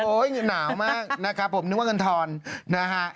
หนาวมากนะครับผมนึกว่าเงินทอนนะฮะ